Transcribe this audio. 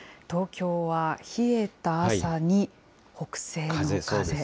東京は冷えた朝に北西の風。